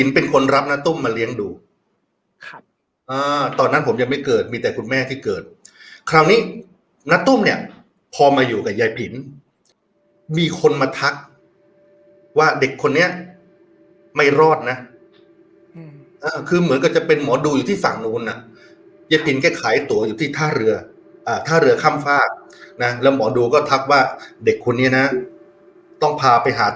เป็นคนรับน้าตุ้มมาเลี้ยงดูครับตอนนั้นผมยังไม่เกิดมีแต่คุณแม่ที่เกิดคราวนี้ณตุ้มเนี่ยพอมาอยู่กับยายผินมีคนมาทักว่าเด็กคนนี้ไม่รอดนะคือเหมือนกับจะเป็นหมอดูอยู่ที่ฝั่งนู้นนะยายปิ่นแกขายตัวอยู่ที่ท่าเรืออ่าท่าเรือข้ามฝากนะแล้วหมอดูก็ทักว่าเด็กคนนี้นะต้องพาไปหา